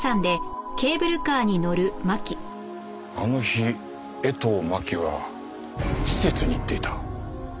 あの日江藤真紀は施設に行っていた。